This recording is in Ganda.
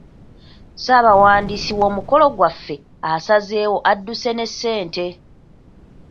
Ssaabawandiisi w’omukolo gwaffe asazeewo adduse ne ssente.